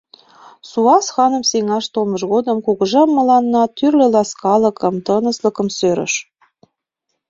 Суас ханым сеҥаш толмыж годым кугыжа мыланна тӱрлӧ ласкалыкым, тыныслыкым сӧрыш.